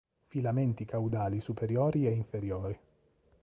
Filamenti caudali superiori e inferiori.